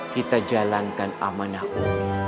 kita jalankan amanahku